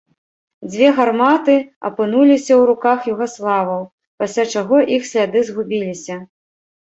Дзве гарматы апынуліся ў руках югаславаў, пасля чаго іх сляды згубіліся.